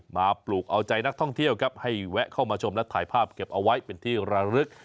ปลูกเอาใจนักท่องเที่ยวครับให้แวะเข้ามาชมและถ่ายภาพเก็บเอาไว้เป็นที่ระลึก